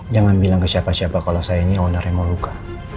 jangan bilang ke siapa siapa kalau saya ini owner yang mau luka